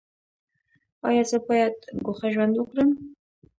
ایا زه باید ګوښه ژوند وکړم؟